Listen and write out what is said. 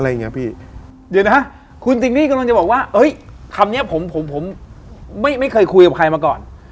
เดี๋ยวนะครับคุณสิ่งที่กำลังจะบอกว่าคำนี้ผมไม่เคยคุยกับใครมาก่อน